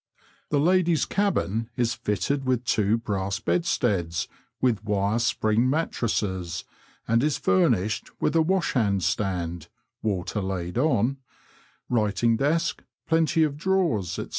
The ladies' cabin is fitted with two brass bedsteads with wire spring mat tresses, and is furnished with washhandstand (water laid on), writing desk, plenty of drawers, &c.